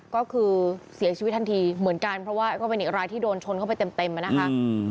ก็คือเสียชีวิตทันทีเหมือนกันเพราะว่าก็เป็นอีกรายที่โดนชนเข้าไปเต็มอ่ะนะคะ